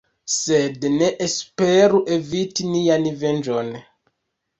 Sed ne esperu eviti nian venĝon.